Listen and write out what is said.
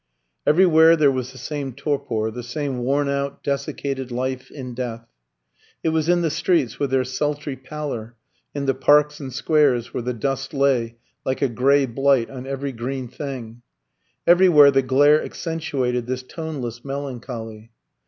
Everywhere there was the same torpor, the same wornout, desiccated life in death. It was in the streets with their sultry pallor, in the parks and squares where the dust lay like a grey blight on every green thing. Everywhere the glare accentuated this toneless melancholy.